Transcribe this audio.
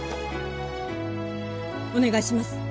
お願いします